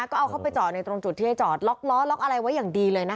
ก็เอาเข้าไปจอดในตรงจุดที่ให้จอดล็อกล้อล็อกอะไรไว้อย่างดีเลยนะคะ